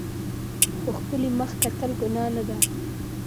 په ښکلي مخ کتل ګناه نه ده.